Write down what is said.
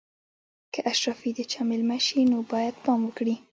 که اشرافي د چا مېلمه شي نو باید پام وکړي.